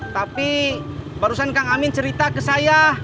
tapi barusan kang amin cerita ke saya